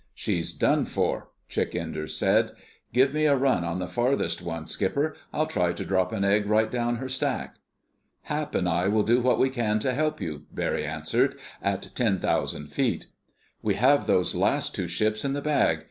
"She's done for," Chick Enders said. "Give me a run on the farthest one, Skipper. I'll try to drop an egg right down her stack." "Hap and I will do what we can to help you," Barry answered, "at ten thousand feet. We have those last two ships in the bag.